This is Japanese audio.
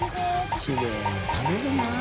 きれいに食べるなぁ。